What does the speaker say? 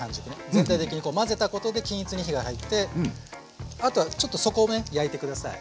全体的にこう混ぜたことで均一に火が入ってあとはちょっと底をね焼いてください。